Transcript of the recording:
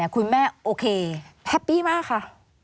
คุณแม่โอเคแฮปปี้มากค่ะ